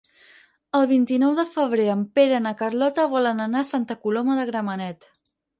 El vint-i-nou de febrer en Pere i na Carlota volen anar a Santa Coloma de Gramenet.